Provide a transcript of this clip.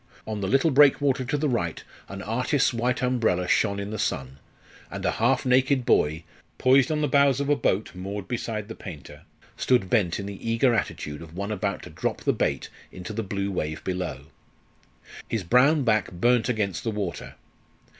On the little breakwater to the right an artist's white umbrella shone in the sun; and a half naked boy, poised on the bows of a boat moored beside the painter, stood bent in the eager attitude of one about to drop the bait into the blue wave below. His brown back burnt against the water.